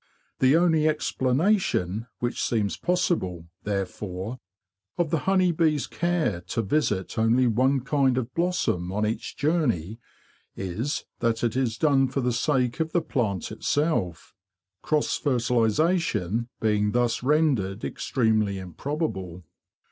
The only explanation which 156 THE BEE MASTER OF WARRILOW seems possible, therefore, of the honey bee's care to visit only one kind of blossom on each journey is that it is done for the sake of the plant itself, cross fertilisation being thus rendered extremely improbable.